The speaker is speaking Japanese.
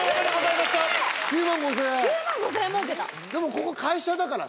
ここ会社だから。